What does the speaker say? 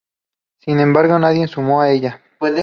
Sin embargo, nadie se sumó a ella.